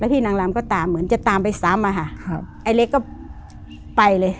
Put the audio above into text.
พี่นางลำก็ตามเหมือนจะตามไปซ้ำอะค่ะครับไอ้เล็กก็ไปเลย